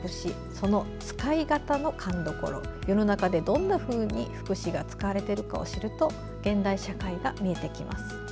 その使い方の勘どころ世の中で、どんなふうに副詞が使われているのかを知ると現代社会が見えてきます。